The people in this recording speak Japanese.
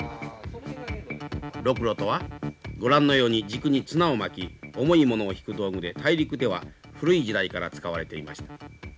ロクロとはご覧のように軸に綱を巻き重いものを引く道具で大陸では古い時代から使われていました。